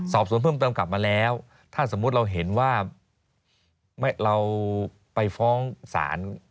สอบสวนเพิ่มเติมกลับมาแล้วถ้าสมมุติเราเห็นว่าเราไปฟ้องศาล